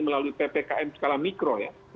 melalui ppkm skala mikro ya